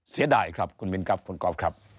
เสียดายครับคุณมินครับคุณก๊อฟครับ